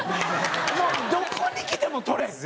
もうどこにきても捕れん」。